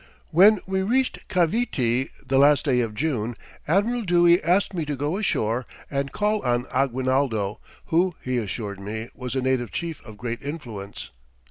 "When we reached Cavite the last day of June, Admiral Dewey asked me to go ashore and call on Aguinaldo, who, he assured me, was a native chief of great influence.